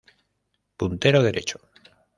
Puntero derecho.